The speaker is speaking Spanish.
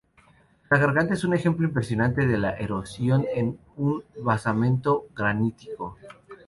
La garganta es un ejemplo impresionante de la erosión en un basamento granítico.